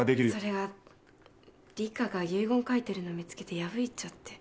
それがリカが遺言書いてるのを見つけて破いちゃって。